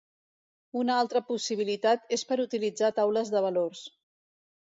Una altra possibilitat és per utilitzar taules de valors.